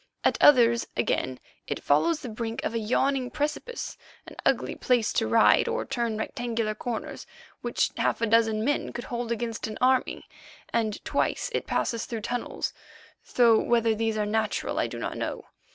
At others, again, it follows the brink of a yawning precipice, an ugly place to ride or turn rectangular corners, which half a dozen men could hold against an army, and twice it passes through tunnels, though whether these are natural I do not know.